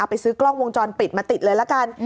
ไปซื้อกล้องวงจรปิดมาติดเลยละกัน